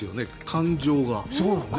感情が。